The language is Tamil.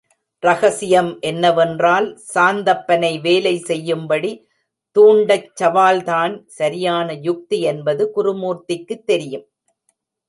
ரகசியம் என்னவென்றால், சாந்தப்பனை வேலை செய்யும்படி தூண்டச் சவால் தான் சரியான யுக்தி என்பது குருமூர்த்திக்குத் தெரியும்.